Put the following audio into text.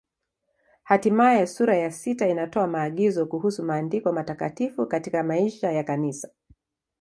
Hatimaye sura ya sita inatoa maagizo kuhusu Maandiko Matakatifu katika maisha ya Kanisa.